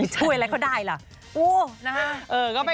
ช่วยอะไรเขาได้ล่ะโอ้วนะฮะ